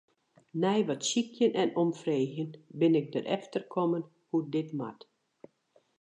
Nei wat sykjen en omfreegjen bin ik derefter kommen hoe't dit moat.